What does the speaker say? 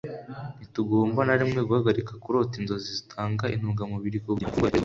ntitugomba na rimwe guhagarika kurota inzozi zitanga intungamubiri ku bugingo, nk'uko ifunguro rikorera umubiri